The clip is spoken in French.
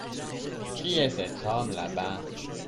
Qui est cet homme, là-bas ?